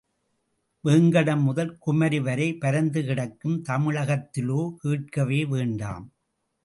வேங்கடம் முதல் குமரி வரை பரந்து கிடக்கும் தமிழகத்திலோ கேட்கவே வேண்டாம்.